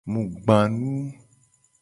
Mu gba nu.